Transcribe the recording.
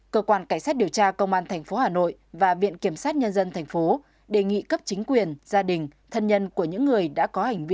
cơ quan cảnh sát điều tra công an tp hà nội và viện kiểm sát nhân dân tp đề nghị cấp chính quyền gia đình thân nhân của những người đã có hành vi